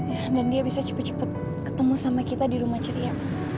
ya dan dia bisa cepat cepat ketemu sama kita di rumah ceria